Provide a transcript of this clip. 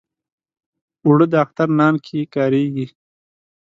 اوړه د اختر نان کې کارېږي